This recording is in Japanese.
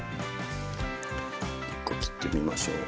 １個切ってみましょう。